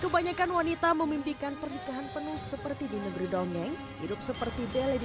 kebanyakan wanita memimpikan pernikahan penuh seperti di negeri dongeng hidup seperti bele di